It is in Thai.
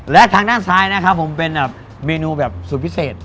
และทางด้านซ้ายนะครับผมเป็นแบบเมนูแบบสุดพิเศษ